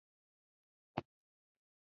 چوپړوال وویل: موږ به هیڅ چا ته هیڅ ونه وایو.